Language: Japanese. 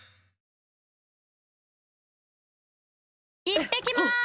いってきます！